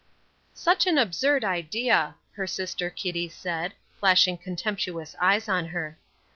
"Such an absurd idea!" her sister Kitty said, flashing contemptuous eyes on her.